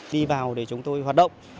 đi vào để chúng tôi hoạt động